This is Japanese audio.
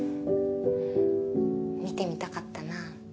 見てみたかったな。